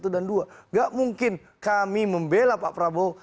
tidak mungkin kami membela pak prabowo